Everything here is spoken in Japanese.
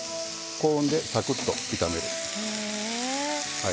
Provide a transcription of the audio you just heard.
高温で、さくっと炒める。